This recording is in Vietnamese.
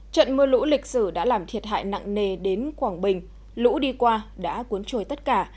trận mưa lũ lịch sử đã làm thiệt hại nặng nề đến quảng bình lũ đi qua đã cuốn trôi tất cả